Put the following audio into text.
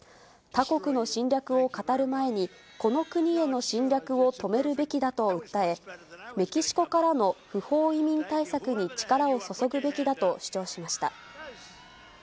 他国の侵略を語る前に、この国への侵略を止めるべきだと訴え、メキシコからの不法移民対策に力を注ぐべきだと主張しました。